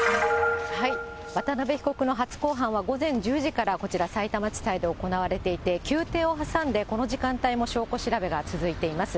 渡辺被告の初公判は午前１０時から、こちら、さいたま地裁で行われていて、休廷を挟んで、この時間帯も証拠調べが続いています。